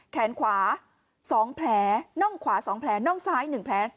แขนขวาสองแพลน่องขวาสองแพลน่องซ้ายหนึ่งแพล